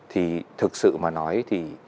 thì thực sự mà nói thì